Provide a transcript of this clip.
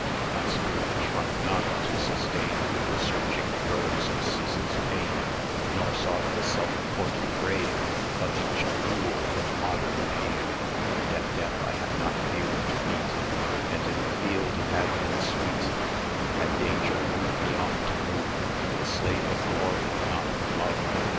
My spirit shrunk not to sustain The searching throes of ceaseless pain; Nor sought the self accorded grave Of ancient fool and modern knave: Yet death I have not feared to meet; And in the field it had been sweet, Had Danger wooed me on to move 1010 The slave of Glory, not of Love.